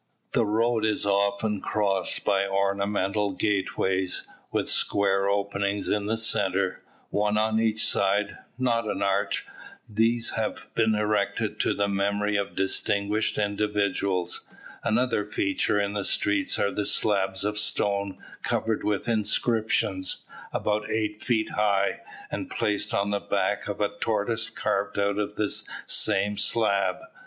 The road is often crossed by ornamental gateways, with square openings in the centre, one on each side, not an arch. These have been erected to the memory of distinguished individuals. Another feature in the streets are the slabs of stone covered with inscriptions, about eight feet high, and placed on the back of a tortoise carved out of the same slab.